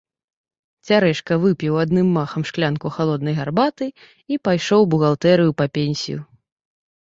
Цярэшка выпіў адным махам шклянку халоднай гарбаты і пайшоў у бухгалтэрыю па пенсію.